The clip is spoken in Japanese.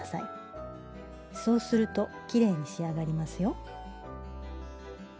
そうするときれいに仕上がりますよ。